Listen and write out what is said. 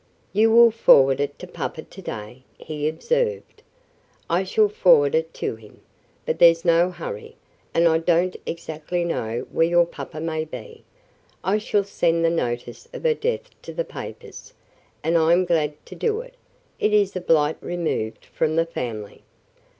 "You will forward it to papa to day," he observed. "I shall forward it to him. But there's no hurry; and I don't exactly know where your papa may be. I shall send the notice of her death to the papers; and I am glad to do it; it is a blight removed from the family."